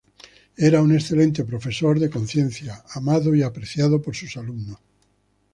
Era un excelente profesor, de conciencia, amado y apreciado por sus alumnos.